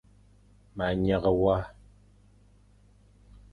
Ma nyeghe wa.